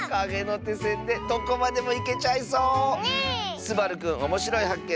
すばるくんおもしろいはっけん